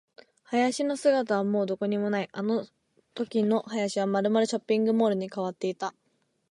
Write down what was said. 林の姿はもうどこにもない。あのときの林はまるまるショッピングモールに変わっていた。